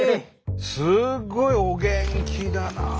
すごいお元気だなあ。